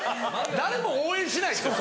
誰も応援しないですよ